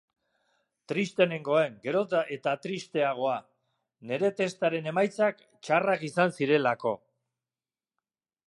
Trizte nengoen, gero eta tristeagoa, nere testaren emaitzak txarrak izan zirelako.